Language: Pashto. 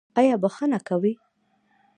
ایا بخښنه کوئ؟